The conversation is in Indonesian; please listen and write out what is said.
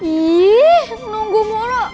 ih nunggu mulu